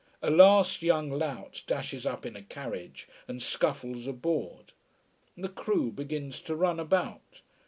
A last young lout dashes up in a carriage and scuffles aboard. The crew begins to run about.